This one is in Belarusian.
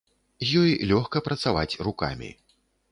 З ёй лёгка працаваць рукамі.